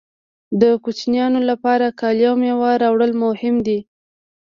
د کوچنیانو لپاره کالي او مېوه راوړل مهم دي